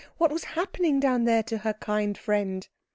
What was happening down there to her kind friend?